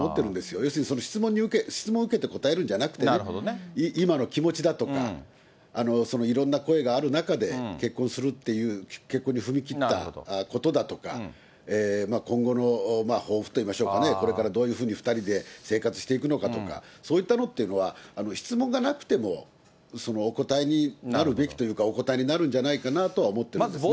要するに質問受けて答えるんじゃなくてね、今の気持ちだとか、そのいろんな声がある中で、結婚するっていう、結婚に踏み切ったことだとか、今後の抱負といいましょうかね、これからどういうふうに２人で生活していくのかとか、そういったのっていうのは、質問がなくても、お答えになるべきというか、お答えになるんじゃないかなとは思ってるんですね。